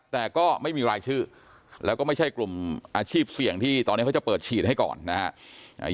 แต่ก็ไม่มีรายชื่อแล้วก็ไม่ใช่กลุ่มอาชีพเสี่ยงที่ตอนนี้เขาจะเปิดฉีดให้ก่อนนะฮะ